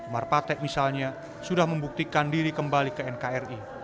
marpatek misalnya sudah membuktikan diri kembali ke nkri